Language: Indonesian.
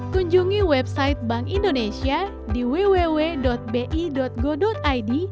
kunjungi website bank indonesia di www bi go id